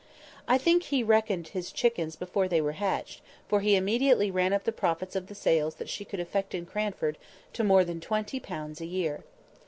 I think he reckoned his chickens before they were hatched, for he immediately ran up the profits of the sales that she could effect in Cranford to more than twenty pounds a year.